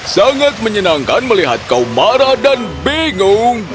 sangat menyenangkan melihat kau marah dan bingung